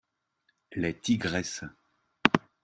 Les tigresses.